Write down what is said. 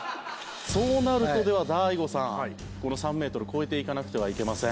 そうなるとでは大悟さんこの３メートル超えていかなくてはいけません。